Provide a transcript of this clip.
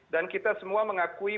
dan kita semua mengakui